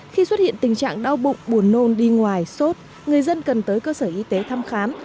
khi xuất hiện tình trạng đau bụng buồn nôn đi ngoài sốt người dân cần tới cơ sở y tế thăm khám